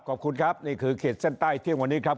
ขอบคุณครับนี่คือเขตเส้นใต้เที่ยงวันนี้ครับ